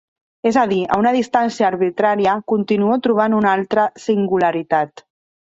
És a dir, a una distància arbitrària, continuo trobant una altra singularitat.